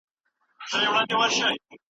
سوله راولئ.